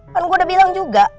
kan gue udah bilang juga